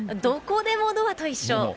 どこでもドアと一緒？